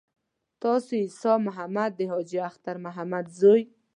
تاسو عیسی محمد د حاجي اختر محمد زوی.